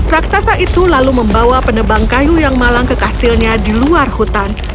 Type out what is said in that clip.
raksasa itu lalu membawa penebang kayu yang malang ke kastilnya di luar hutan